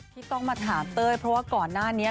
ที่ต้องมาถามเต้ยเพราะว่าก่อนหน้านี้